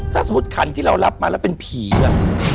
ถ้าสมมุติขันที่เรารับมาแล้วเป็นผีอ่ะ